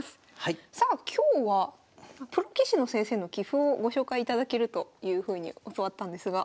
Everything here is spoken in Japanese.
さあ今日はプロ棋士の先生の棋譜をご紹介いただけるというふうに教わったんですが。